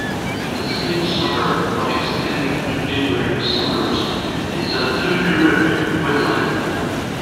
In the same suburb, but extending to neighbouring suburbs, is the Tootgarook Wetland.